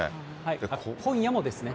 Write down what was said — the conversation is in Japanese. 今夜もですね。